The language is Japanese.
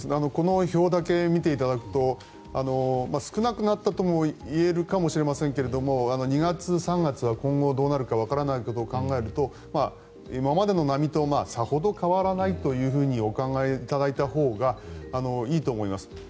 この表だけを見ていただくと少なくなったともいえるかもしれませんが２月、３月は今後、どうなるかわからないことを考えると今までの波とさほど変わらないというふうにお考えいただいたほうがいいと思います。